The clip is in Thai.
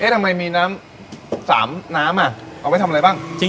ทำไมมีน้ำ๓น้ำเอาไว้ทำอะไรบ้าง